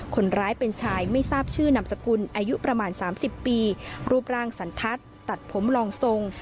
คนร้ายเป็นชายไม่ทราบชื่อนามสกุลอายุประมาณ๓๐ปีรูปร่างสันทัศน์ตัดผมลองทรง